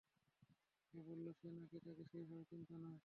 সে বলল, সে নাকি তাকে সেইভাবে চিনতও না।